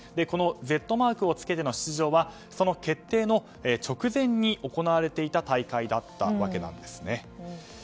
このＺマークをつけての出場はその決定の直前に行われていた大会だったわけなんです。